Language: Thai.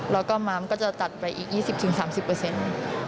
แล้วก็ม้ามก็จะตัดไปอีก๒๐๓๐เปอร์เซ็นต์